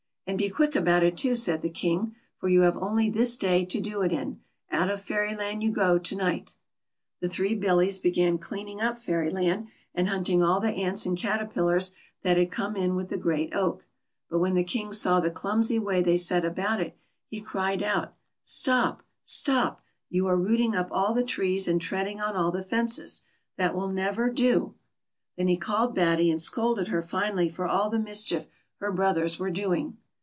" And be quick about it too," said the King; " for you have only this day to do it in ; out of Fairyland } ou go to night." The three Billies began cleaning up Fairyland, and hunting all the ants and caterpillars that had come in w'rh the great oak ; but when the King saw the clumsy way they set about it, he cried out, " Stop, stop ; you 2c8 BATTY. are rooting up all the trees, and treading on ali the fences. That will never do 1 " Then he called Batty, and scolded her finely for all the mischief her brothers were doing.